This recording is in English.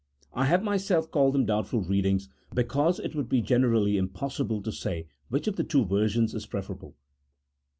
I have myself called them doubtful readings, because it would be generally im possible to say which of the two versions is preferable.